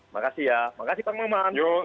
makasih ya makasih pak maman